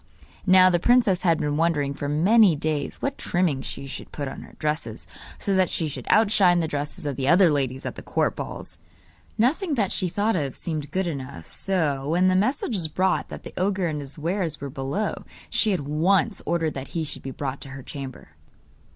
Now the princess had been wondering for many days what trimming she should put on her dresses, so that they should outshine the dresses of the other ladies at the court balls. Nothing that she thought of seemed good enough, so, when the message was brought that the ogre and his wares were below, she at once ordered that he should be brought to her chamber.